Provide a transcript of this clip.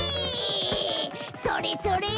それそれ！